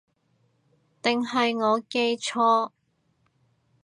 定係我記錯